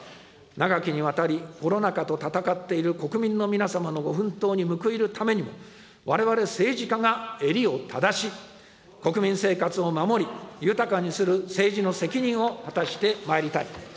長きにわたりコロナ禍と闘っている国民の皆様のご奮闘に報いるためにも、われわれ政治家が襟を正し、国民生活を守り、豊かにする政治の責任を果たしてしてまいりたい。